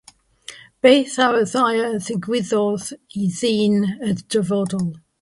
Beth ar y Ddaear Ddigwyddodd i Ddyn y Dyfodol?